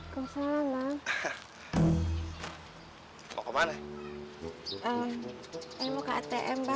rasanya sih gak ada bunyi bunyi ya